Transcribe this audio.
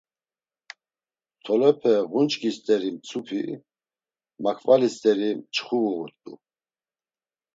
Tolepe ğunç̌ǩi st̆eri mtzupi, makvali st̆eri mçxu uğurt̆u.